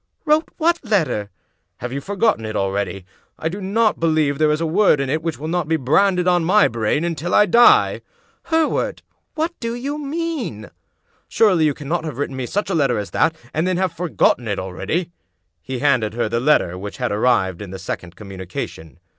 " "Wrote what letter?" "Have you forgotten it already? I do not believe that there is a word in it which will not be branded on my brain until I die." "Hereward! What do you mean?" "Surely you cannot have written me such a letter as that, and then have forgotten it already? " He handed her the letter which had arrived in the sec ond communication.